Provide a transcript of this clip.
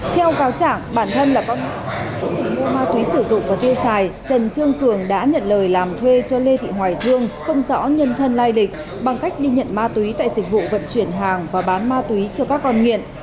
theo cáo trảng bản thân là mua ma túy sử dụng và tiêu xài trần trương cường đã nhận lời làm thuê cho lê thị hoài thương không rõ nhân thân lai lịch bằng cách đi nhận ma túy tại dịch vụ vận chuyển hàng và bán ma túy cho các con nghiện